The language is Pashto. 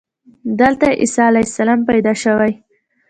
دلته عیسی علیه السلام پیدا شوی.